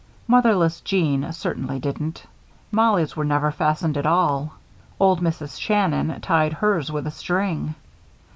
Motherless Jeanne certainly didn't. Mollie's were never fastened at all. Old Mrs. Shannon tied hers with a string.